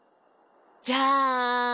じゃん！